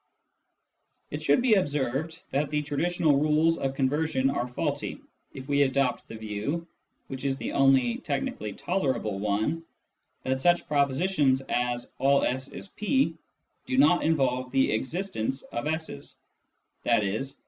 It should also be observed that the traditional rules of conversion are faulty, if we adopt the view, which is the only technically tolerable one, that such propositions as " all S is P " do not involve the " existence " of S's, i.e.